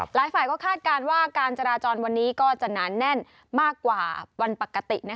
หลายฝ่ายก็คาดการณ์ว่าการจราจรวันนี้ก็จะหนาแน่นมากกว่าวันปกติ